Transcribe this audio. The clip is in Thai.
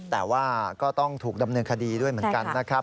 แต่ว่าก็ต้องถูกดำเนินคดีด้วยเหมือนกันนะครับ